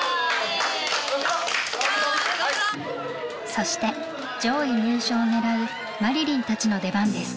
そして上位入賞を狙うまりりんたちの出番です。